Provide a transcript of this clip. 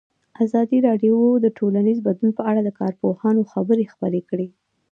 ازادي راډیو د ټولنیز بدلون په اړه د کارپوهانو خبرې خپرې کړي.